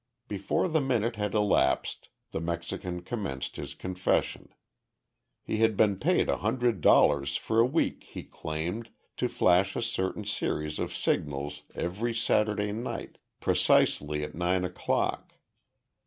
Before the minute had elapsed, the Mexican commenced his confession. He had been paid a hundred dollars a week, he claimed, to flash a certain series of signals every Saturday night, precisely at nine o'clock.